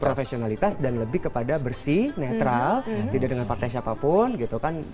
profesionalitas dan lebih kepada bersih netral tidak dengan partai siapapun gitu kan